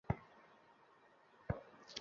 মানে, থানার পিছনে।